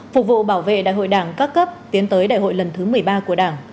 phục vụ bảo vệ đại hội đảng các cấp tiến tới đại hội lần thứ một mươi ba của đảng